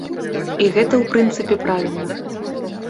І гэта, у прынцыпе, правільна.